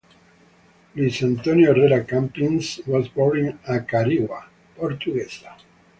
Luis Antonio Herrera Campins was born in Acarigua, Portuguesa.